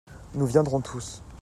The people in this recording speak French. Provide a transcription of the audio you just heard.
Nous viendrons tous.